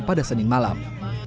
pada senin malam